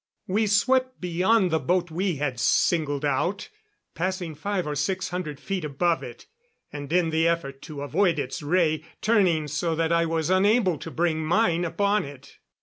We swept beyond the boat we had singled out, passing five or six hundred feet above it, and in the effort to avoid its ray turning so that I was unable to bring mine upon it.